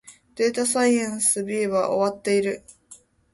データサイエンス B は終わっている